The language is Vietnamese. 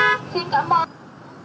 xin cảm ơn